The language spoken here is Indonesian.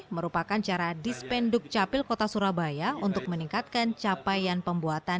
merupakan cara dispenduk capil kota surabaya untuk meningkatkan capaian pembuatan